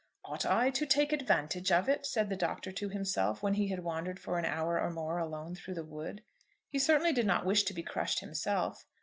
"Ought I to take advantage of it?" said the Doctor to himself when he had wandered for an hour or more alone through the wood. He certainly did not wish to be crushed himself.